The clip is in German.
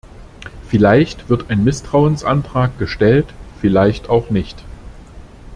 Vielleicht wird ein Misstrauensantrag gestellt, vielleicht auch nicht.